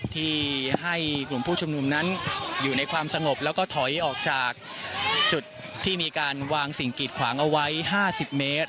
ที่ให้กลุ่มผู้ชุมนุมนั้นอยู่ในความสงบแล้วก็ถอยออกจากจุดที่มีการวางสิ่งกีดขวางเอาไว้๕๐เมตร